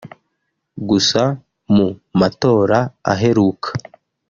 Gusa mu matora aheruka